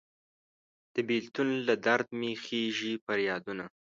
د بیلتون له درد مې خیژي پریادونه